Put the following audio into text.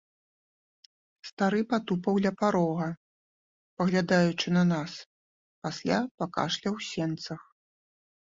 Стары патупаў ля парога, паглядаючы на нас, пасля пакашляў у сенцах.